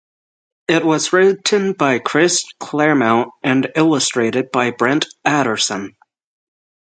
It was written by Chris Claremont and illustrated by Brent Anderson.